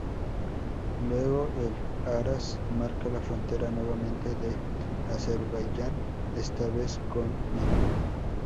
Luego el Aras marca la frontera nuevamente de Azerbaiyán, está vez con Irán.